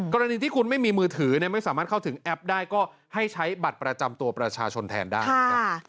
กรณีที่คุณไม่มีมือถือไม่สามารถเข้าถึงแอปได้ก็ให้ใช้บัตรประจำตัวประชาชนแทนได้นะครับ